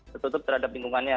tertutup terhadap lingkungannya